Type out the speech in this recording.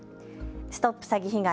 ＳＴＯＰ詐欺被害！